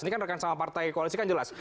ini kan rekan sama partai koalisi kan jelas